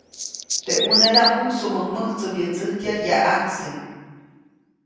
Teʼ ʼunedaʼm mujsuʼmuŋ mäjtsyäwyätsäjkya yaʼajkse.